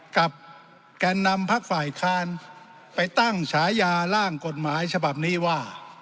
แก่นนำพักฝ่ายค้านไปตั้งฉายาร่างกฎหมายฉบับนี้ว่า